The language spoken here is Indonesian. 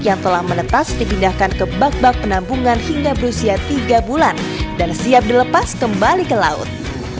yang telah menetas dipindahkan ke bak bak penampungan hingga berusia tiga bulan dan siap dilepas kembali ke laut